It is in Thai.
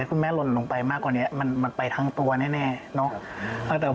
คุณแม่หล่นลงไปมากกว่านี้มันไปทั้งตัวแน่เนาะ